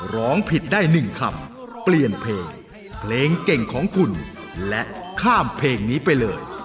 ร้องผิดได้๑คำเปลี่ยนเพลงเพลงเก่งของคุณและข้ามเพลงนี้ไปเลย